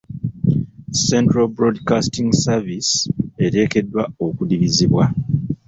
Central Broadcasting Service, eteekeddwa okuddibizibwa.